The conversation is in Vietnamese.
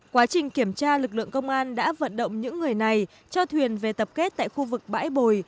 quá trình kiểm tra lực lượng công an đã vận động những người này cho thuyền về tập kết tại khu vực bãi bồi